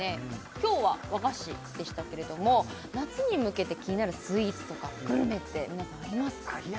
今日は和菓子でしたけれども夏に向けて気になるスイーツとかグルメって皆さんありますか？